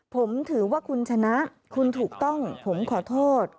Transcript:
ผมถือว่าคุณชนะคุณถูกต้องผมขอโทษ